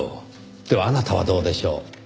ではあなたはどうでしょう？